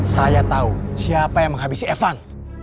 saya tahu siapa yang menghabisi evan